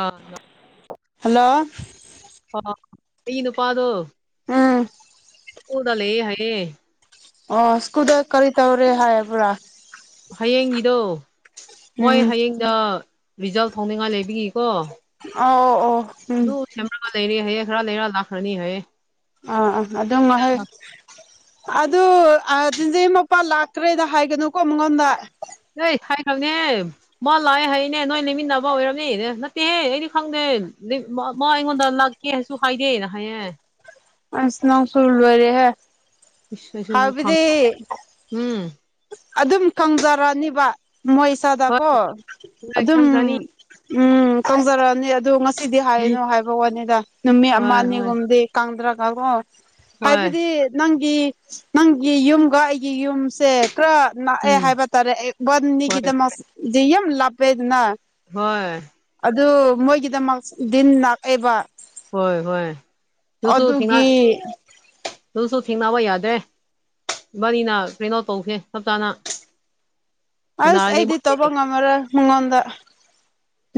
ꯑꯥ [inaudible] hello ꯑꯣ ꯑꯩꯒꯤ ꯅꯨꯄꯥꯗꯣ ꯎꯝ [inaudible] ꯎꯜꯗ ꯂꯩꯌꯦ ꯍꯥꯏꯌꯦ ꯑꯣ ꯁ꯭ꯀꯨꯜꯗ ꯀꯔꯤ ꯇꯧꯔꯦ ꯍꯥꯏꯕ꯭ꯔꯥ ꯍꯌꯦꯡꯒꯤꯗꯣ ꯃꯣꯏ ꯎꯝ ꯍꯌꯦꯡꯗ ꯔꯤꯖꯜ ꯐꯥꯎꯅꯤꯡꯉꯥꯏ ꯂꯩꯕꯒꯤꯀꯣ ꯑ ꯑꯣ ꯑꯣ ꯎꯝ ꯑꯗꯨ ꯁꯦꯝꯃꯒ ꯂꯩꯔꯦ ꯍꯥꯏꯌꯦ ꯈꯔ ꯂꯩꯔ ꯂꯥꯛꯈ꯭ꯔꯅꯤ ꯍꯥꯏꯌꯦ ꯑ ꯑ ꯑꯗꯨꯝ ꯃꯥꯍꯩ ꯑꯗꯨ ꯑꯗꯨꯗꯩ ꯃꯄꯥ ꯂꯥꯛꯇ꯭ꯔꯦꯅ ꯍꯥꯏꯒꯅꯨꯀꯣ ꯃꯉꯣꯟꯗ ꯅ ꯊꯥꯏ ꯊꯪꯅꯦ ꯃꯥ ꯂꯥꯛꯑꯦ ꯍꯥꯏꯌꯦꯅꯦ ꯅꯣꯏ ꯂꯩꯃꯤꯟꯅꯕ ꯑꯣꯏꯔꯝꯅꯤꯅꯦ ꯅꯠꯇꯦꯍꯦ ꯑꯩꯗꯤ ꯈꯪꯗꯦ ꯃ ꯑꯩꯉꯣꯟꯗ ꯂꯥꯛ ꯀꯦ ꯍꯥꯏꯁꯨ ꯈꯥꯏꯗꯦ ꯅ ꯍꯥꯏꯌꯦ ꯑꯁ ꯅꯪꯁꯨ ꯂꯣꯏꯔꯦꯍꯦ ꯏꯁ ꯑꯩꯁꯨ ꯈꯪ ꯍꯥꯏꯕꯗꯤ ꯎꯝ ꯑꯗꯨꯝ ꯈꯪꯖꯔꯅꯤꯕ ꯃꯣꯏ ꯍꯣꯏ ꯏꯁꯥꯗꯀꯣ ꯍꯣꯏ ꯑꯗꯨꯝ ꯈꯪꯈ꯭ꯔꯅꯤ ꯎꯝ ꯇꯧꯖꯔꯛꯑꯅꯤ ꯑꯗꯨ ꯉꯁꯤꯗꯤ ꯍꯥꯏꯅꯨ ꯍꯥꯏꯕ ꯋꯥꯅꯤꯗ ꯅꯨꯃꯤꯠ ꯑꯃ ꯍꯣꯏ ꯍꯣꯏ ꯑꯅꯤꯒꯨꯝꯕꯗꯤ ꯀꯪꯗ꯭ꯔꯒꯀꯣ ꯍꯣꯏ ꯍꯥꯏꯕꯗꯤ ꯅꯪꯒꯤ ꯅꯪꯒꯤ ꯌꯨꯝꯒ ꯑꯩꯒꯤ ꯌꯨꯝꯁꯦ ꯈꯔ ꯅꯛꯑꯦ ꯎꯝ ꯍꯥꯏꯕ ꯇꯥꯔꯛꯑꯦ ꯍꯣꯏ ꯕꯟꯅꯤꯒꯤꯗꯃꯁꯗꯤ ꯌꯥꯝ ꯂꯥꯞꯄꯦꯗꯅ ꯍꯣꯏ ꯑꯗꯨ ꯃꯣꯏꯒꯤꯗꯃꯛ ꯗꯤꯟ ꯅꯥꯛꯑꯦꯕ ꯍꯣꯏ ꯍꯣꯏ ꯗꯨꯨꯁꯨ ꯊꯦꯡꯉ ꯑꯗꯨꯒꯤ ꯗꯨꯨꯁꯨ ꯊꯦꯡꯅꯕ ꯌꯥꯗꯦ ꯕꯥꯅꯤꯅ ꯀ꯭ꯔꯤꯅꯣ ꯇꯧꯈꯦ ꯍꯞꯇꯥꯅ ꯑꯁ ꯑꯩꯗꯤ ꯇꯧꯕ ꯉꯝꯃꯔꯣꯏ ꯃꯉꯣꯟꯗ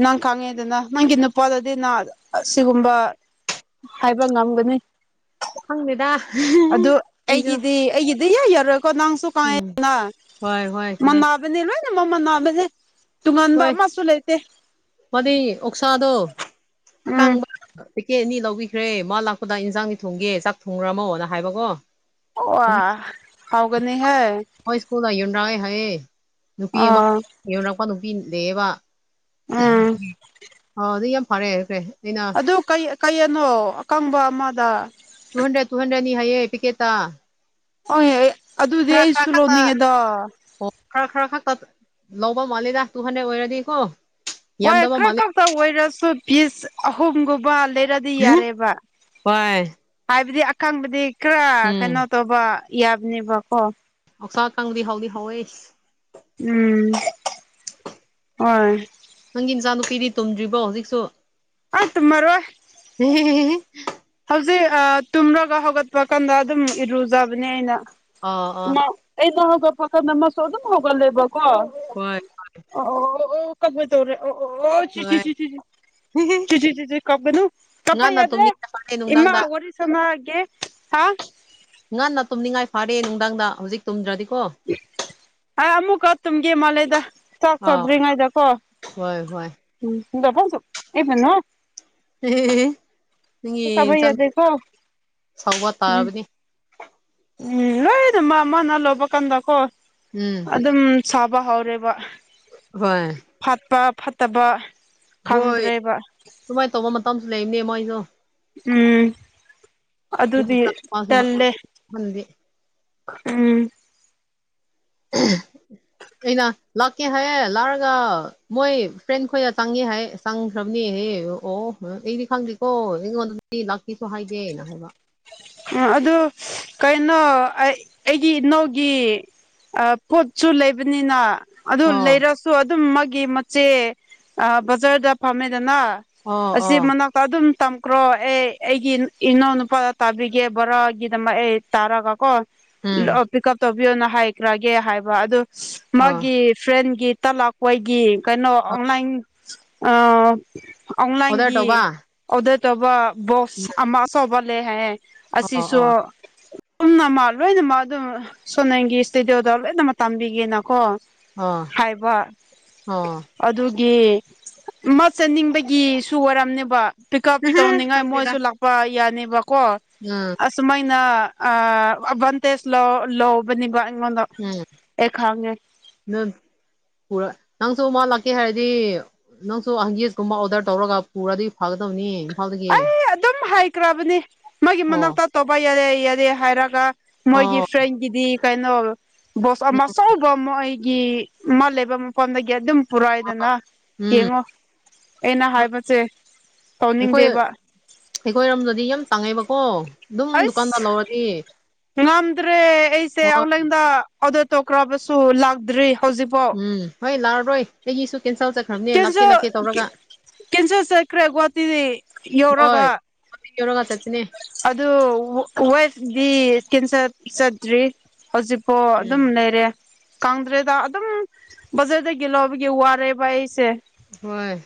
ꯅꯪ ꯈꯥꯡꯉꯦꯗꯅ ꯅꯪꯒꯤ ꯅꯨꯄꯥꯗꯗꯤ ꯅ ꯑꯁꯤꯒꯨꯝꯕ ꯍꯥꯏꯕ ꯉꯝꯒꯅꯤ ꯈꯪꯗꯦꯗꯥ ꯑꯗꯨ ꯑꯩꯒꯤꯗꯤ ꯑꯩꯒꯤꯗꯤ ꯌꯥ ꯌꯥꯔꯣꯏꯀꯣ ꯅꯪꯁꯨ ꯎꯝ ꯀꯉꯦꯗꯅ ꯍꯣꯏ ꯍꯣꯏ ꯈꯪꯉꯦ ꯃꯃꯥ ꯕꯅꯦ ꯂꯣꯏꯅꯦꯃꯛ ꯃꯥꯟꯅꯕꯅꯦ ꯇꯨꯡꯉꯥꯟꯕ ꯍꯣꯏ ꯑꯃꯁꯨ ꯂꯩꯇꯦ ꯃꯥꯗꯤ ꯎꯝ ꯄꯦꯛꯀꯦꯠ ꯑꯅꯤ ꯂꯧꯕꯤꯈ꯭ꯔꯦ ꯃꯥ ꯂꯥꯛꯄꯗ ꯏꯟꯖꯥꯡꯗꯤ ꯊꯣꯡꯒꯦ ꯆꯥꯛ ꯊꯣꯡꯔꯝꯃꯣꯅ ꯍꯥꯏꯕꯀꯣ ꯋꯥ ꯍꯥꯎꯒꯅꯤ ꯍꯦ ꯃꯣꯏ ꯁ꯭ꯀꯨꯜꯗ ꯌꯣꯟꯔꯛꯑꯦ ꯍꯥꯏꯌꯦ ꯅꯨꯄꯤ ꯑꯃ ꯑꯥ ꯌꯣꯟꯔꯛꯄ ꯅꯨꯄꯤ ꯂꯩꯌꯦꯕ ꯎꯝ [inaudible] ꯐꯥꯗꯤ ꯌꯥꯝ ꯐꯔꯦ ꯈ꯭ꯔꯦ ꯑꯩꯅ ꯗꯨꯝ ꯀꯩ -ꯀꯩꯌꯦꯅꯣ ꯑꯀꯪꯕ ꯑꯃꯗ ꯇꯨ ꯍꯟꯗ꯭ꯔꯦꯠ ꯇꯨ ꯍꯟ꯭ꯔꯦꯠꯅꯤ ꯍꯥꯏꯌꯦ ꯄꯤꯀꯦꯠꯇ ꯑꯩ ꯑꯗꯨꯗꯤ ꯈꯔ ꯈꯔ ꯑꯩꯁꯨ ꯈꯛꯇ ꯂꯧꯅꯤꯡꯉꯦꯗꯥ ꯑꯣ ꯈꯔ ꯈꯔ ꯈꯛꯇ ꯂꯧꯕ ꯃꯥꯜꯂꯦꯗ ꯇꯨ ꯍꯟꯗ꯭ꯔꯦꯗ ꯑꯣꯏꯔꯗꯤꯀꯣ ꯍꯣꯏ ꯌꯥꯝꯗꯕ ꯈ꯭ꯔ ꯃꯥꯜꯂꯦ ꯈꯛꯇ ꯑꯣꯏꯔꯁꯨ ꯄꯤꯁ ꯑꯍꯨꯝꯒꯨꯝꯕ ꯂꯩꯔꯗꯤ ꯌꯥꯔꯦꯕ ꯍꯣꯏ ꯍꯥꯏꯕꯗꯤ ꯑꯀꯪꯕꯗꯤ ꯈꯔ ꯎꯝ ꯀꯩꯅꯣ ꯇꯧꯕ ꯌꯥꯕꯅꯦꯕꯀꯣ ꯑꯣꯁꯥ ꯑꯀꯪꯕꯗꯤ ꯍꯥꯎꯗꯤ ꯍꯥꯎꯋꯦ ꯎꯝ [unintelligible] ꯍꯣꯏ ꯅꯪꯒꯤ ꯏꯆꯥꯅꯨꯄꯤꯗꯤ ꯇꯨꯝꯗ꯭ꯔꯤꯕꯣ ꯍꯧꯖꯤꯛꯁꯨ ꯑꯥꯥ ꯇꯨꯝꯃꯔꯣꯏ ꯍꯧꯖꯤꯛ ꯑꯥ ꯇꯨꯝꯔꯒ ꯍꯧꯒꯠꯄ ꯀꯥꯟꯗ ꯑꯗꯨꯝ ꯏꯔꯨꯖꯕꯅꯦ ꯑꯩꯅ ꯑꯥ ꯑꯥ ꯃꯥ ꯑꯩꯗꯣ ꯍꯧꯒꯠꯄ ꯀꯥꯟꯗ ꯃꯥꯁꯨ ꯑꯗꯨꯝ ꯍꯧꯒꯠꯂꯦꯕ ꯀꯣ ꯑꯣ ꯍꯣꯏ ꯑꯣ ꯑꯣꯑꯣꯑꯣ ꯀꯞꯀꯦ ꯇꯧꯔꯦ ꯑꯣ ꯑꯣ ꯑꯣꯑꯣ ꯆꯤ ꯆꯤ ꯆꯤꯆꯤ ꯍꯤ ꯍꯤ ꯖꯤꯖꯤꯖꯤ ꯀꯞꯀꯅꯨ ꯀꯞꯄ ꯌꯥꯗꯦ ꯇꯨꯝꯅꯤꯡꯉꯥꯏ ꯐꯔꯦ ꯏꯃꯥ ꯅꯨꯡꯗꯥꯡꯗ ꯋꯥꯔꯤ ꯁꯅꯥꯒꯦ ꯍꯥ ꯉꯟꯅ ꯇꯨꯝꯅꯤꯡꯉꯥꯏ ꯐꯥꯔꯦ ꯅꯨꯡꯗꯥꯡꯗ ꯍꯧꯖꯤꯛ ꯇꯨꯝꯗ꯭ꯔꯗꯤꯀꯣ ꯑꯩ ꯑꯃꯨꯛꯀ ꯇꯨꯝꯒꯦ ꯃꯥꯜꯂꯦꯗ ꯆꯥꯛ ꯑꯥ ꯆꯥꯗ꯭ꯔꯤꯉꯥꯏꯗ ꯀꯣ ꯍꯣꯏ ꯍꯣꯏ [unintelligible] ꯆꯥꯕ ꯌꯥꯗꯦꯀꯣ ꯎꯝ [unintelligible] ꯎꯝ ꯍꯣꯏ ꯗꯨ ꯃꯥ ꯃꯥꯅ ꯂꯧꯕ ꯀꯥꯟꯗꯀꯣ ꯎꯝ ꯑꯗꯨꯝ ꯁꯥꯕ ꯍꯧꯔꯦꯕ ꯍꯣꯏ ꯐꯠꯄ ꯐꯠꯇꯕ ꯍꯣꯏ ꯈꯪꯗ꯭ꯔꯦꯕ ꯁꯨꯃꯥꯏ ꯇꯧꯕ ꯃꯇꯝꯁꯨ ꯂꯩꯕꯅꯦ ꯃꯣꯏꯁꯨ ꯎꯝ ꯑꯗꯨꯗꯤ ꯇꯜꯂꯦ [unintelligible] ꯎꯝ [inaudible] ꯑꯩꯅ ꯂꯥꯛꯀꯦ ꯍꯥꯏꯌꯦ ꯂꯛꯑꯒ ꯃꯣꯏ ꯐ꯭ꯔꯦꯟ ꯈꯣꯏꯒ ꯆꯪꯒꯦ ꯍꯥꯏꯌꯦ ꯆꯪꯈ꯭ꯔꯕꯅꯦ ꯍꯦ ꯑꯣ ꯑꯩꯗꯤ ꯈꯪꯗ꯭ꯦꯀꯣ ꯑꯩꯉꯣꯟꯗꯗꯤ ꯂꯥꯛꯀꯦꯁꯨ ꯍꯥꯏꯗꯦ ꯑꯗꯨ ꯀꯩꯅꯣ ꯑꯩ ꯑꯩꯒꯤ ꯅꯣꯏꯒꯤ ꯑ ꯄꯣꯠꯁꯨ ꯂꯩꯕꯅꯤꯅ ꯑꯗꯨ ꯑꯣ ꯂꯩꯔꯁꯨ ꯑꯗꯨꯝ ꯃꯥꯒꯤ ꯃꯆꯦ ꯕꯖꯥꯔꯗ ꯐꯝꯃꯦꯗꯅ ꯑꯣ ꯑꯁꯤ ꯑꯣ ꯃꯅꯥꯛꯇ ꯑꯗꯨꯝ ꯇꯝꯈ꯭ꯔꯣ ꯑꯦ ꯑꯩꯒꯤ ꯏꯅꯥꯎ ꯅꯨꯄꯥ ꯇꯕꯤꯒꯦ [unintelligible] ꯇꯔꯒꯀꯣ ꯎꯝ ꯄꯤꯛꯀꯞ [unintelligible] ꯅ ꯍꯥꯏꯈ꯭ꯔꯒꯦ ꯍꯥꯏꯕ ꯑꯗꯨ ꯑꯣ ꯃꯥꯒꯤ ꯐ꯭ꯔꯦꯟꯒꯤ ꯇꯂꯥꯛꯄꯣꯏꯒꯤ ꯀꯩꯅꯣ ꯑꯣꯟꯂꯥꯏꯟ ꯑ ꯑꯣꯗꯔ ꯑꯣꯟꯂꯥꯏꯟꯒꯤ ꯇꯧꯕ ꯑꯣꯗꯔ ꯇꯧꯕ ꯕꯣꯛꯁ ꯑꯃ ꯑꯆꯧꯕ ꯂꯩ ꯍꯥꯏꯌꯦꯦ ꯑꯁꯤ ꯑꯣ ꯁꯨ ꯑꯣ ꯄꯨꯝꯅꯃꯛ ꯂꯣꯏꯅꯃꯛ ꯑꯗꯨꯝ ꯁꯣꯅꯦꯟꯒꯤ ꯏꯁꯇꯨꯗꯤꯑꯣꯗ ꯂꯣꯏꯅꯃꯛ ꯇꯝꯕꯤꯒꯦꯅꯀꯣ ꯑꯣ ꯍꯥꯏꯕ ꯑꯣ ꯑꯗꯨꯒꯤ ꯃ ꯆꯠꯅꯤꯡꯕꯒꯤꯁꯨ ꯑꯣꯏꯔꯝꯅꯦꯕ ꯄꯤꯛꯀꯞ ꯇꯧꯅꯤꯡꯉꯥꯏ ꯈꯪꯗꯦꯗ ꯃꯣꯏꯁꯨ ꯂꯥꯛꯄ ꯌꯥꯅꯤꯕꯀꯣ [unintelligible] ꯁꯨꯃꯥꯏꯅ ꯑ ꯑꯗꯕꯟꯇꯦꯁ ꯂꯧ ꯂꯧꯕꯅꯦꯕꯥ ꯑꯩꯉꯣꯟꯗꯥ ꯎꯝ ꯅꯪ ꯄꯨꯔꯥ ꯅꯪꯁꯨ ꯃꯥ ꯂꯥꯛꯀꯦ ꯍꯥꯏꯔꯗꯤ ꯅꯪꯁꯨ ꯍꯪꯒꯦꯁ ꯀꯨꯝꯕ ꯑꯣꯔꯗꯔ ꯇꯧꯔꯒ ꯄꯨꯔꯗꯤ ꯐꯒꯗꯕꯅꯤ ꯏꯝꯐꯥꯜꯗꯒꯤ ꯑꯩ ꯑꯗꯨꯝ ꯍꯥꯏꯈ꯭ꯔꯕꯅꯤ ꯃꯒꯤ ꯑꯣ ꯃꯅꯥꯛꯇ ꯇꯧꯕ ꯌꯥꯔꯦ ꯌꯥꯔꯦ ꯍꯥꯏꯔꯒ ꯃꯣꯏꯒꯤ ꯑꯣ ꯐ꯭ꯔꯦꯟꯒꯤꯗꯤ ꯀꯩꯅꯣ ꯕꯣꯁ ꯎꯝ ꯑꯃꯥ ꯃꯣꯏꯒꯤ ꯃꯥ ꯂꯩꯕ ꯃꯐꯝꯗꯒꯤ ꯑꯗꯨꯝ ꯄꯨꯔꯥꯏꯗꯅ ꯎꯝ ꯌꯦꯡꯉꯣ ꯑꯩꯅ ꯍꯥꯏꯕꯁꯦ ꯇꯧꯅꯤꯡꯗꯦ ꯑꯩꯈꯣꯏ ꯑꯩꯈꯣꯏꯔꯣꯝꯗꯗꯤ ꯌꯥꯝ ꯇꯥꯡꯉꯦꯕꯀꯣ ꯑꯗꯨꯝ ꯗꯨꯀꯥꯟꯗ ꯑꯩꯁ ꯂꯧꯔꯗꯤ ꯉꯝꯗ꯭ꯔꯦ ꯑꯩꯁꯦ ꯍꯣꯏ ꯑꯣꯟꯂꯥꯏꯟꯗ ꯑꯣꯗꯔ ꯇꯧꯈ꯭ꯔꯕꯁꯨ ꯂꯥꯛꯇ꯭ꯔꯤ ꯍꯧꯖꯤꯛꯐꯥꯎ ꯎꯝ ꯍꯣꯏ ꯂꯥꯛꯑꯔꯣꯏ ꯑꯩꯒꯤꯁꯨ ꯀꯦꯟꯁꯦꯜ ꯆꯠꯈ꯭ꯔꯕꯅꯦ ꯂꯥꯛꯀꯦ ꯀꯦꯟꯁꯦꯜ ꯂꯥꯛꯀꯦ ꯇꯧꯔꯒ ꯀꯦꯟꯁꯦꯜ ꯆꯠꯈ꯭ꯔꯦ ꯒꯨꯍꯥꯇꯤꯗꯤ ꯍꯣꯏ ꯌꯧꯔꯒ ꯃꯇꯤꯛ ꯌꯧꯔꯒ ꯆꯠꯄꯅꯦ ꯑꯗꯣ ꯋꯥꯐꯇꯤ ꯀꯦꯟꯆꯦꯜ ꯆꯠꯇ꯭ꯔꯤ ꯍꯧꯖꯤꯛꯄꯣ ꯎꯝ ꯑꯗꯨꯝ ꯂꯩꯔꯦ ꯈꯪꯗ꯭ꯔꯦꯗ ꯑꯗꯨꯝ ꯕꯖꯔꯗꯒꯤ ꯂꯧꯕꯒꯤ ꯋꯥꯔꯦꯕ ꯑꯩꯁꯦ ꯍꯣꯏ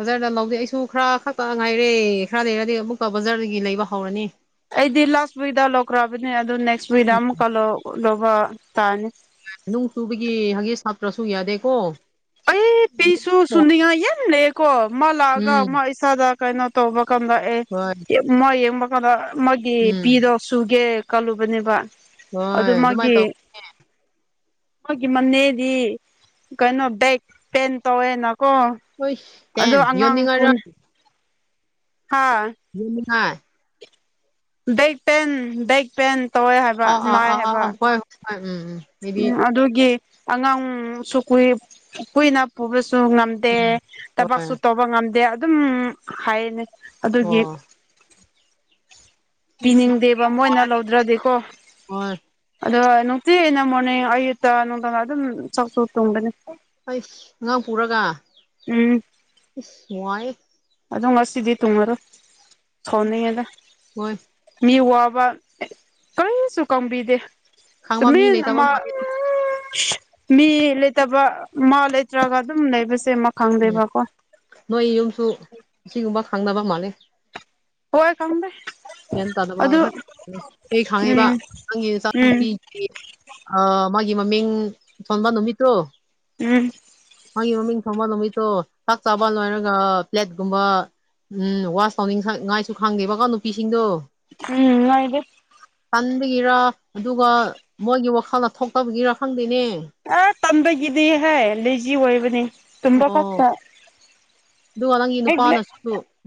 ꯕꯖꯥꯔꯗ ꯂꯧꯗꯦ ꯑꯩꯁꯨ ꯈꯔ ꯈꯛꯇꯥ ꯉꯥꯏꯔꯦ ꯈꯔ ꯂꯩꯔꯗꯤ ꯑꯃꯨꯛꯀ ꯕꯖꯥꯔꯗꯒꯤ ꯂꯩꯕ ꯍꯧꯔꯅꯤ ꯑꯩꯗꯤ ꯂꯥꯁ ꯋꯤꯛꯛꯇ ꯂꯧꯈ꯭ꯔꯕꯅꯤ ꯑꯗꯨ ꯅꯦꯛꯁ ꯋꯤꯛꯗ ꯎꯝ ꯑꯃꯨꯛꯀ ꯂꯧ ꯂꯧꯕꯔ ꯇꯥꯔꯅꯤ ꯅꯨꯡ ꯆꯨꯕꯒꯤ ꯍꯪꯒꯤꯠ ꯁꯥꯞꯇꯔꯥꯁꯨ ꯌꯥꯗꯦꯀꯣ ꯑꯩ ꯄꯤꯁꯨ ꯁꯨꯅꯤꯉꯥꯏ ꯌꯥꯝ ꯂꯩꯌꯦꯀꯣ ꯃꯥ ꯂꯥꯛꯑꯒ ꯎꯝ ꯃꯥ ꯏꯆꯥꯗ ꯀꯩꯅꯣ ꯇꯧꯕ ꯀꯥꯟꯗ ꯑꯦ ꯍꯣꯏ ꯃ ꯌꯦꯡꯕ ꯀꯥꯟꯗ ꯃꯥꯒꯤ ꯎꯝ ꯄꯤꯗꯣ ꯁꯨꯒꯦ ꯀꯜꯂꯨꯕꯅꯦꯕ ꯍꯣꯏ ꯑꯗꯨꯃꯥꯏ ꯇꯧ ꯑꯩꯈꯣꯏꯒꯤ ꯃꯅꯦꯗꯤ ꯀꯩꯅꯣ ꯕꯦꯛ ꯄꯦꯟ ꯇꯧꯋꯦꯅꯀꯣ ꯍꯣꯏ ꯇꯦꯟ ꯑꯗꯣ ꯑꯉꯥꯡ ꯌꯨꯅꯤꯡꯉꯔꯥ ꯄꯨꯟ ꯍꯥ [inaudible] ꯕꯦꯛ ꯄꯦꯟ ꯕꯦꯛ ꯄꯦꯟ ꯇꯧꯋꯦ ꯍꯥꯏꯕ ꯑꯥ ꯑꯥ ꯅꯥꯏ ꯑꯥ ꯑꯥ ꯍꯥꯏꯕ ꯍꯣꯏ ꯍꯣꯏ ꯑꯥ ꯎꯝ ꯎꯝ ꯑꯩꯗꯤ ꯎꯝ ꯑꯗꯨꯒꯤ ꯑꯉꯥꯡꯁꯨ ꯀꯨꯏ ꯀꯨꯏꯅꯥ ꯄꯨꯕꯁꯨ ꯉꯝ ꯗꯦ ꯎꯝ ꯍꯣꯏ ꯊꯕꯛꯁꯨ ꯇꯧꯕ ꯉꯝꯗꯦ ꯑꯗꯨꯝ ꯍꯥꯏ ꯑꯗꯨꯒꯤ ꯑꯣ ꯑꯁ ꯄꯤꯅꯤꯡꯗꯦꯕ ꯃꯣꯏꯅ ꯋꯥꯔꯤ ꯂꯧꯗ꯭ꯔꯗꯤꯀꯣ ꯍꯣꯏ ꯑꯗꯣ ꯅꯨꯡꯁꯤꯠꯅ ꯃꯅꯦ ꯑꯌꯨꯛꯇ ꯅꯨꯡꯗꯥꯡꯗ ꯑꯗꯨꯝ [unintelligible] ꯍꯩ ꯑꯉꯥꯡ ꯄꯨꯔꯒ ꯎꯝ ꯏꯁ ꯋꯥꯏ ꯑꯗꯨ ꯉꯁꯤꯗꯤ ꯇꯨꯡꯉꯔꯣꯏ ꯁꯧꯅꯤꯡꯉꯤꯗ ꯍꯣꯏ ꯃꯤ ꯋꯥꯕ ꯀꯩꯁꯨ ꯀꯪꯕꯤꯗꯦ ꯈꯥꯡꯕ ꯃꯤ ꯇꯨꯃꯤꯟ ꯂꯩꯇꯕ ꯑꯃꯥ ꯃꯥꯜꯂꯦ ꯃꯤ ꯂꯩꯇꯕ ꯃꯥ ꯂꯩꯇ꯭ꯔꯒ ꯑꯗꯨꯝ ꯂꯩꯕꯁꯦ ꯎꯝ ꯈꯪꯗꯦꯕ ꯀꯣ ꯅꯣꯏ ꯌꯨꯝꯁꯨ ꯁꯤꯒꯨꯝꯕ ꯈꯪꯅꯕ ꯃꯥꯜꯂꯤ ꯍꯣꯏ ꯈꯪꯗꯦ ꯒ꯭ꯌꯥꯟ ꯇꯥꯗꯕ ꯑꯗꯨ ꯈꯛ ꯀꯩ ꯈꯥꯡꯉꯤꯕ ꯎꯝ ꯅꯪꯒꯤ ꯎꯝ ꯏꯆꯥꯅꯨꯄꯤ ꯑꯥ ꯃꯥꯒꯤ ꯃꯃꯤꯡ ꯊꯣꯟꯕ ꯅꯨꯃꯤꯠꯇꯣ ꯎꯝ ꯃꯥꯒꯤ ꯃꯃꯤꯡ ꯊꯣꯜꯕ ꯅꯨꯃꯤꯠꯇꯣ ꯆꯥꯛ ꯆꯥꯕ ꯂꯣꯏꯔꯒ ꯐ꯭ꯂꯦꯠꯀꯨꯝꯕ ꯎꯝ ꯋꯥꯁ ꯇꯧꯅꯤꯡ ꯉꯥꯏꯁꯨ ꯈꯪꯗꯦꯕꯀꯣ ꯅꯨꯄꯤꯁꯤꯡꯗꯣ ꯎꯝ ꯅꯣꯏꯗꯤ ꯇꯟꯕꯒꯤꯔ ꯑꯗꯨꯒ ꯃꯣꯏꯒꯤ ꯋꯥꯈꯜꯗ ꯊꯣꯛꯇꯕꯒꯤꯔꯥ ꯈꯪꯗꯦꯅꯦ ꯑ ꯇꯝꯕꯒꯤꯗꯤꯍꯦ ꯂꯦꯖꯤ ꯑꯣꯏꯕꯅꯤ ꯇꯨꯝꯕ ꯑꯣ ꯈꯛꯇ ꯑꯗꯨꯒ ꯅꯪꯒꯤ ꯅꯨꯄꯥꯅꯁꯨ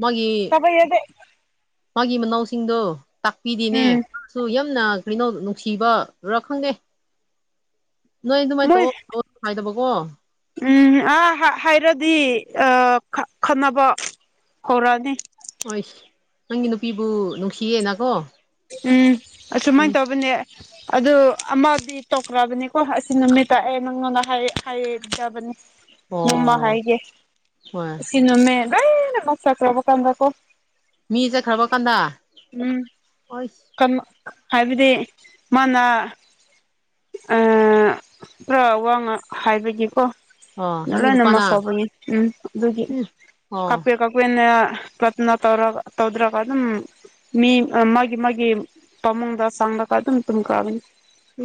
ꯃꯥꯒꯤ ꯃꯥꯒꯤ ꯃꯅꯥꯎꯁꯤꯡꯗꯣ ꯇꯥꯛꯄꯤꯗꯤꯅꯦ ꯎꯝ ꯁꯨ ꯌꯥꯝꯅ ꯀꯩꯅꯣ ꯅꯨꯡꯁꯤꯕꯔꯥ ꯈꯪꯗꯦ ꯅꯣꯏ ꯑꯗꯨꯃꯥꯏꯅ ꯃꯣꯏ ꯇꯧꯑꯣ ꯍꯥꯏꯗꯕꯀꯣ ꯎꯝ ꯑꯥ ꯍꯥꯏꯔꯗꯤ ꯈꯟꯅꯕ ꯍꯧꯔꯛꯑꯅꯤ ꯍꯣꯏ ꯅꯪꯒꯤ ꯅꯨꯄꯤꯕꯨ ꯅꯨꯡꯁꯤꯌꯦꯅꯀꯣ ꯎꯝ ꯎꯝ ꯑꯁꯨꯃꯥꯏꯅ ꯇꯧꯕꯅꯦ ꯑꯗꯨ ꯑꯃꯗꯤ ꯇꯣꯛꯈ꯭ꯔꯕꯅꯤꯀꯣ ꯑꯁꯤ ꯅꯨꯃꯤꯠꯇ ꯑꯩ ꯅꯪꯉꯣꯟꯗ ꯍꯥꯏꯖꯕꯅꯤ ꯅꯃ ꯑꯣ ꯍꯥꯏꯒꯦ ꯍꯣꯏ ꯁꯤ ꯅꯃꯦ ꯗꯥꯏꯔ ꯃꯁ ꯆ ꯆꯧꯕ ꯀꯥꯟꯗ꯭ꯔꯀꯣ ꯃꯤ ꯆꯠꯈ꯭ꯔꯕ ꯀꯥꯟꯗ ꯎꯝ ꯍꯣꯏ ꯀꯩꯅꯣ ꯍꯥꯏꯕꯗꯤ ꯃꯥꯅ ꯑ ꯄꯨꯔꯥ ꯋꯥꯉ ꯍꯥꯏꯕꯒꯤꯀꯣ ꯑꯣ ꯅꯪꯒꯤ ꯂꯣꯏꯅꯃ ꯅꯨꯄꯥꯅ ꯁꯥꯎꯕꯅꯤ ꯎꯝ ꯑꯗꯨꯒꯤ ꯎꯝ ꯑꯣ ꯀꯥꯄ ꯑꯩꯈꯣꯏꯅ ꯄꯠꯅ ꯇꯧꯔꯒ ꯇꯧꯗ꯭ꯔꯒ ꯑꯗꯨꯝ ꯃꯤ ꯃꯥꯒꯤ ꯃꯥꯒꯤ ꯄꯥꯃꯨꯡꯗ ꯆꯥꯡꯂꯒ ꯑꯗꯨꯝ ꯇꯨꯝꯈꯔꯥꯅꯤ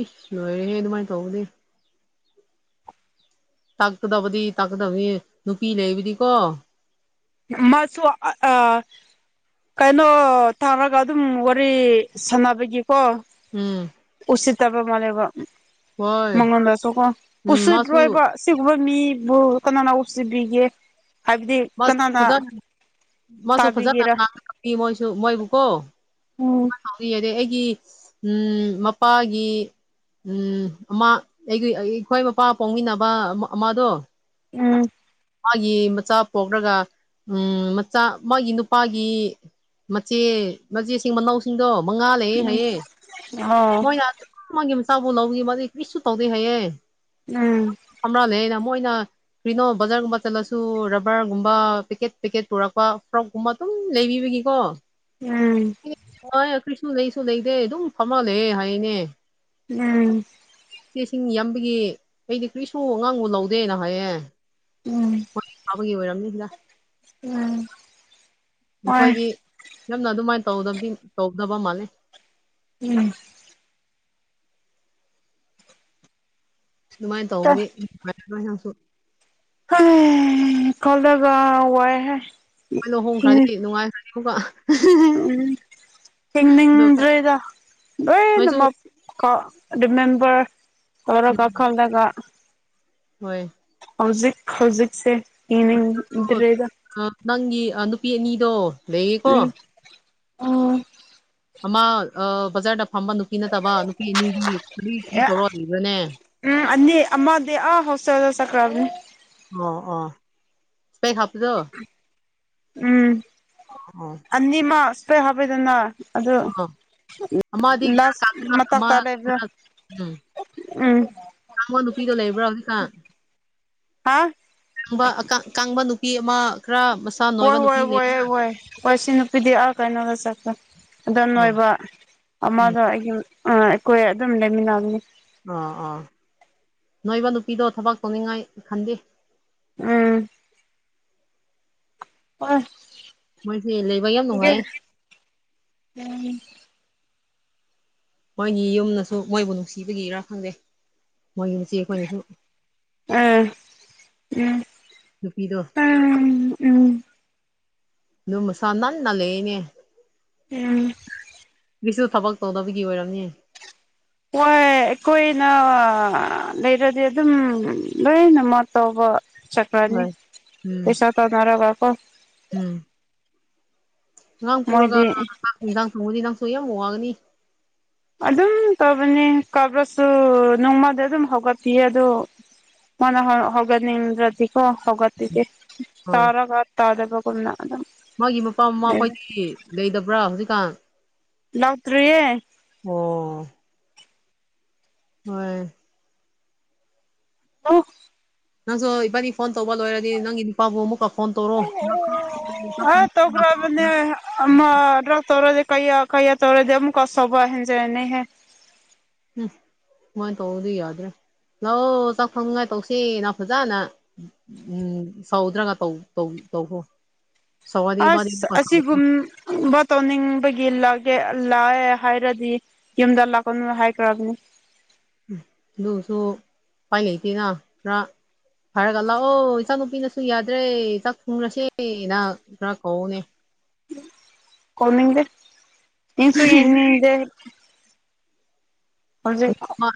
ꯎꯁ ꯂꯣꯏꯔꯦꯍꯦ ꯑꯗꯨꯃꯥꯏꯅ ꯇꯧꯕꯗꯤ ꯇꯥꯛꯀꯗꯕꯗꯤ ꯇꯥꯛꯀꯗꯕꯅꯤ ꯅꯨꯄꯤ ꯂꯩꯕꯗꯤꯀꯣ ꯃꯥꯁꯨ ꯑ ꯀꯩꯅꯣ ꯊꯥꯔꯒ ꯑꯗꯨꯝ ꯋꯥꯔꯤ ꯁꯥꯟꯅꯕꯒꯤꯀꯣ ꯎꯝ ꯎꯁꯤꯠꯇꯕ ꯃꯥꯜꯂꯦꯕ ꯍꯣꯏ ꯃꯉꯣꯟꯗꯁꯨꯀꯣ ꯎꯝ ꯎꯁꯤꯠ ꯃꯥꯁꯨ ꯂꯣꯏꯕ ꯑꯁꯤꯒꯨꯝꯕ ꯃꯤꯕꯨ ꯀꯅꯥꯅ ꯅꯨꯡꯁꯤꯕꯤꯒꯦ ꯍꯥꯏꯕꯗꯤ ꯃꯁꯨ ꯀꯅꯥꯅ ꯐꯖꯅ ꯃꯣꯏꯁꯨ ꯐꯖꯅ ꯇꯥꯕꯤꯒꯦꯔꯥ ꯃꯣꯏꯁꯨ ꯃꯣꯏꯕꯨ ꯀꯣ ꯎꯝ ꯍꯥꯏꯔꯤ ꯑꯩꯒꯤ ꯎꯝ ꯃꯄꯥꯒꯤ ꯎꯝ ꯑꯃ ꯑꯩꯒꯤ ꯑꯩꯈꯣꯏ ꯃꯄꯥ ꯄꯥꯎꯃꯤꯟꯅꯕ ꯑꯃꯗꯣ ꯎꯝ ꯃꯥꯒꯤ ꯃꯆꯥ ꯄꯣꯛꯂꯒ ꯎꯝ ꯃꯆꯥ ꯃꯥꯒꯤ ꯅꯨꯄꯥꯒꯤ ꯃꯆꯦ ꯃꯆꯦꯁꯤꯡ ꯃꯅꯥꯎꯁꯤꯡꯗꯣ ꯃꯉꯥ ꯂꯩꯌꯦ ꯎꯝ ꯍꯥꯏꯌꯦ ꯑꯣ ꯃꯣꯏ ꯃꯥꯒꯤ ꯃꯆꯥꯕꯨ ꯂꯧꯏ ꯃꯥꯗꯤ ꯀꯔꯤꯁꯨ ꯇꯧꯗꯦ ꯍꯥꯏꯌꯦ ꯎꯝ ꯑꯃꯔꯥꯜꯂꯦ ꯑꯩꯅ ꯃꯣꯏꯅ ꯀꯔꯤꯅꯣ ꯕꯖꯥꯔꯒꯨꯝꯕ ꯆꯠꯂꯁꯨ ꯔꯕꯔꯒꯨꯝꯕ ꯄꯦꯀꯦꯠ ꯄꯦꯀꯦꯠ ꯄꯨꯔꯛꯄ ꯐ꯭ꯔꯣꯛꯀꯨꯝꯕ ꯑꯗꯨꯝ ꯂꯩꯕꯤꯕꯒꯤꯀꯣ ꯎꯝ ꯍ ꯀꯩꯁꯨ ꯀꯩꯁꯨ ꯂꯩꯇꯦ ꯑꯗꯨꯝ ꯐꯝꯃ ꯂꯩꯌꯦ ꯍꯥꯏꯅꯦ ꯎꯝ ꯃꯤꯁꯤꯡ ꯌꯥꯝꯕꯒꯤ ꯍꯥꯏꯗꯤ ꯀꯔꯤꯁꯨ ꯉꯥꯡꯕ ꯂꯧꯗꯦꯅ ꯍꯥꯏꯌꯦ ꯎꯝ ꯑꯩꯈꯣꯏ ꯐꯥꯕꯒꯤ ꯑꯣꯏꯔꯝꯅꯤꯗ ꯎꯝ ꯍꯣꯏ ꯃꯈꯣꯏꯗꯤ ꯌꯥꯝꯅ ꯑꯗꯨꯃꯥꯏꯅ ꯇꯧꯗꯕꯗꯤ ꯇꯧꯗꯕ ꯃꯥꯜꯂꯦ ꯎꯝ ꯑꯗꯨꯃꯥꯏꯅ ꯇꯧꯕꯗꯤ ꯅꯨꯟꯡꯉꯥꯏꯔꯣꯏ ꯅꯪꯁꯨ ꯈꯜꯂꯒ ꯋꯥꯏꯍꯦ ꯍꯣꯏ ꯍꯤꯡ ꯂꯨꯍꯣꯡꯈ꯭ꯔꯗꯤ ꯅꯨꯡꯉꯥꯏꯈ꯭ꯔꯅꯤ ꯑꯃꯨꯛꯀ ꯎꯝ ꯑꯗꯨ ꯍꯤꯡꯅꯤꯡꯗ꯭ꯔꯦꯗ ꯅꯣꯏꯁꯨ ꯂꯣꯏꯅꯃꯛ ꯔꯤꯃꯦꯝꯝꯕꯔ ꯇꯧꯔꯒ ꯈꯜꯂꯒ ꯍꯣꯏ ꯍꯧꯖꯤꯛ ꯍꯧꯖꯤꯛꯁꯦ ꯍꯤꯡꯅꯤꯡꯗ꯭ꯔꯦꯗ ꯅꯪꯒꯤ ꯅꯨꯄꯤ ꯑꯅꯤꯗꯣ ꯂꯩꯌꯦꯀꯣ ꯎꯝ ꯎꯝ ꯑꯃ ꯕꯖꯥꯔꯗ ꯐꯝꯕ ꯅꯨꯄꯤ ꯅꯠꯇꯕ ꯅꯨꯄꯤ ꯑꯅꯤꯗꯤ ꯀꯔꯤ ꯀꯔꯤ ꯇꯧꯔ ꯍꯤꯡꯕꯔ꯭ ꯅꯦ ꯎꯝ ꯑꯅꯤ ꯑꯃ ꯑꯥ ꯍꯣꯁꯇꯦꯜꯗ ꯆꯠꯈ꯭ꯔꯕꯅꯤ ꯑꯣ ꯑꯣ ꯏꯁꯄꯦꯛ ꯍꯥꯞꯄꯗꯣ ꯎꯝ ꯑꯣ ꯑꯅꯤꯃꯛ ꯢꯁꯄꯦꯛ ꯍꯥꯞꯄꯤꯗꯅ ꯑꯗꯨ ꯑꯣ ꯑꯃꯗꯤ ꯈꯔ ꯀꯪꯕ ꯃ ꯑꯃ ꯇꯂꯦꯕ ꯈꯔ ꯎꯝ ꯉꯣ ꯅꯨꯄꯤꯗꯣ ꯂꯩꯕ꯭ꯔꯥ ꯍꯧꯖꯤꯛꯀꯥꯟ ꯍꯥꯥ ꯀꯥꯡ ꯀꯥꯡꯕ ꯅꯨꯄꯤ ꯑꯃ ꯈꯔ ꯍꯣꯏ ꯅꯣꯏꯕ ꯍꯣꯏ ꯅꯨꯄꯤ ꯂꯩ ꯍꯣꯏ ꯍꯣꯏ ꯍꯣꯏ ꯁꯤ ꯅꯨꯄꯤꯗꯤ ꯑꯥ ꯀꯩꯗ ꯆꯠꯈꯔ꯭ꯦ ꯑꯣ ꯎꯝ ꯅꯣꯏꯕ ꯑꯃꯗꯣ ꯑꯩꯒꯤ ꯑꯩꯈꯣꯏ ꯑꯗꯨꯝ ꯂꯩꯃꯤꯟꯅꯕꯅꯤ ꯑꯣ ꯑꯣ ꯑꯅꯣꯏꯕ ꯅꯨꯄꯤꯗꯣ ꯊꯕꯛ ꯇꯧꯅꯤꯡꯉꯥꯏ ꯈꯟꯗꯦ ꯎꯝ ꯑꯣꯏ ꯃꯣꯏꯁꯦ ꯂꯩꯕ ꯌꯥꯝ ꯅꯨꯡꯉꯥꯏꯌꯦ ꯎꯝ ꯃꯣꯏꯒꯤ ꯌꯨꯝꯅꯁꯨ ꯃꯣꯏꯕꯨ ꯅꯨꯡꯁꯤꯕꯒꯤꯔ ꯈꯪꯗꯦ ꯃꯣꯏꯒꯤ ꯃꯆꯦ ꯈꯣꯏꯅꯁꯨ ꯎꯝ ꯎꯝ ꯅꯨꯄꯤꯗꯣ ꯎꯝ ꯎꯝ ꯃꯁꯥ ꯅꯥꯟꯅ ꯂꯩꯌꯦꯅꯦ ꯎꯝ ꯃꯤꯁꯨ ꯊꯕꯛ ꯇꯧꯗꯕꯒꯤ ꯑꯣꯏꯔꯝꯅꯤ ꯍꯣꯏ ꯑꯩꯈꯣꯏꯅ ꯂꯩꯔꯗꯤ ꯑꯗꯨꯝ ꯂꯣꯏꯅꯃꯛ ꯇꯧꯕ ꯆꯠ ꯅꯤ ꯍꯣꯏ ꯎꯝ ꯄꯩꯁꯥ ꯇꯅꯔꯒ ꯎꯝ ꯑꯉꯥꯡ ꯄꯣꯔꯒ ꯃꯣꯏꯗꯤ ꯆꯥꯛ ꯑꯦꯟꯖꯥꯡ ꯊꯣꯡꯉꯗꯤ ꯅꯪꯁꯨ ꯌꯥꯝ ꯋꯥ ꯋꯥꯒꯅꯤ ꯑꯗꯨꯝ ꯇꯧꯕꯅꯤ ꯀꯕ꯭ꯔꯁꯨ ꯅꯣꯡꯃꯗ ꯑꯗꯨꯝ ꯍꯧꯒꯠꯄꯤꯌꯦ ꯑꯗꯣ ꯃꯅꯥ ꯍꯧꯒꯠꯅꯤꯡꯗꯔ꯭ ꯗꯤ ꯍ ꯍꯧꯒꯠꯄꯤꯗꯦ ꯍꯣꯏ ꯇꯥꯔꯒ ꯇꯥꯗꯕꯒꯨꯝꯅ ꯃꯥꯒꯤ ꯃꯄꯥ ꯃꯃꯥ ꯂꯩ ꯈꯣꯏꯗꯤ ꯂꯩꯇꯕ꯭ꯔꯥ ꯍꯧꯖꯤꯛꯀꯥꯟ ꯂꯥꯛꯇꯔꯤꯌꯦ ꯑꯣ ꯍꯣꯏ ꯑꯝ ꯅꯪꯁꯨ ꯏꯕꯥꯅꯤ ꯐꯣꯟ ꯇꯧꯕ ꯂꯣꯏꯔꯗꯤ ꯅꯪꯒꯤ ꯅꯨꯄꯥꯒ ꯑꯃꯨꯛ ꯐꯣꯟ ꯇꯧꯔꯣ [unintelligible] ꯑꯃꯔꯛ ꯇꯧꯔꯗꯤ ꯀꯌ ꯀꯩꯌꯥ ꯇꯧꯔꯣꯗꯤ ꯑꯃ ꯀꯁꯕꯨ ꯍꯦꯟꯖꯅꯤꯍꯦ ꯎꯝ ꯃꯣꯏꯅ ꯇꯧꯗꯤ ꯌꯥꯗ꯭ꯔꯦ ꯂꯥꯛꯑꯣ ꯆꯥꯛ ꯊꯣꯅꯤꯡꯉꯥꯏ ꯇꯧꯁꯤ ꯅ ꯐꯖꯅ ꯎꯝ ꯁꯥꯎꯗ꯭ꯔꯒ ꯇꯧ ꯇꯧꯈꯣ ꯑꯁ ꯑꯁꯤꯒꯨꯝ ꯇꯧꯅꯤꯡꯕꯒꯤ ꯂꯥꯛꯀꯦ ꯂꯥꯛꯑꯦ ꯍꯥꯏꯔꯗꯤ ꯌꯨꯝꯗ ꯂꯥꯛꯀꯅꯣ ꯍꯥꯏꯈ꯭ꯔꯕꯣ ꯎ ꯑꯗꯨꯒꯁꯨ ꯎꯄꯥꯏ ꯂꯩꯇꯦꯅ ꯄꯨꯔ ꯍꯥꯏꯔꯒ ꯂꯥꯛꯑꯣ ꯏꯆꯥ ꯅꯨꯨꯄꯤꯅꯁꯨ ꯌꯥꯗ꯭ꯔꯦ ꯆꯥꯛ ꯊꯨꯡꯔꯁꯦꯅ ꯈꯔ ꯀꯧꯎꯅꯦ ꯀꯃꯤꯗꯦ ꯏꯟꯁꯨꯨ ꯌꯦꯅꯤꯗꯦ ꯍꯧꯖꯤꯛ ꯃꯥ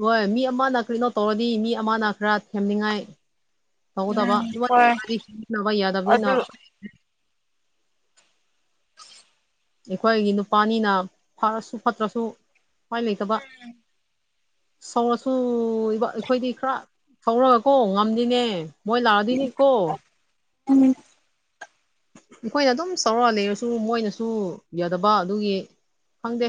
ꯍꯣꯏ ꯃꯤ ꯑꯃꯅ ꯀꯩꯅꯣ ꯇꯧꯔꯗꯤ ꯃꯤ ꯑꯃꯅ ꯈꯔ ꯊꯦꯝꯅꯤꯡꯉꯥꯏ ꯇꯥꯎꯗꯕ ꯎꯝ ꯍꯣꯏ [unintelligible] ꯌꯥꯗꯕꯅꯤ ꯑꯗꯨ ꯑꯩꯈꯣꯏꯒꯤ ꯅꯨꯄꯥꯅꯤꯅ ꯐꯔꯁꯨ ꯐꯠꯇ꯭ꯔꯁꯨ ꯎꯄꯥꯏ ꯂꯩꯇꯕ ꯁꯧꯔꯁꯨ ꯑꯩꯈꯣꯏꯗꯤ ꯈꯔ ꯁꯧꯔꯒꯀꯣ ꯉꯝꯗꯤꯅꯦ ꯃꯣꯏ ꯂꯥꯎꯗꯤꯅꯦꯀꯣ ꯎꯝ ꯑꯩꯈꯣꯏꯅ ꯑꯗꯨꯝ ꯁꯥꯎꯔꯒ ꯂꯩꯔꯁꯨ ꯃꯣꯏꯅꯁꯨ ꯌꯥꯗꯕ ꯑꯗꯨꯒꯤ ꯈꯪꯗꯦ